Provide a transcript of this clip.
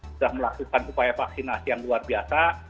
sudah melakukan upaya vaksinasi yang luar biasa